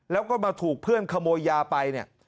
แล้วก็มาถูกเพื่อนขโมยยาไปเนี่ย